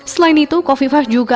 selain itu kofifah juga